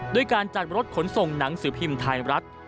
ด้วยการจัดรถขนส่งหนังสือพิมพ์ไทยรัฐ